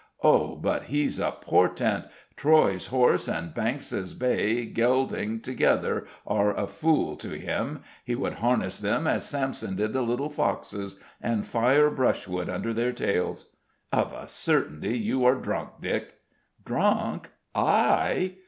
Oh, but he's a portent! Troy's horse and Bankes's bay gelding together are a fool to him: he would harness them as Samson did the little foxes, and fire brushwood under their tails...." "Of a certainty you are drunk, Dick." "Drunk? I?"